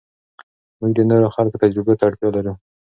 موږ د نورو خلکو تجربو ته اړتیا لرو.